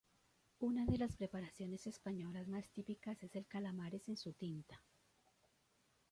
Una de las preparaciones españolas más típicas es el calamares en su tinta.